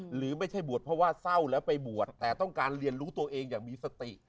หรือไม่ใช่บวชเพราะว่าเศร้าแล้วไปบวชแต่ต้องการเรียนรู้ตัวเองอย่างมีสติ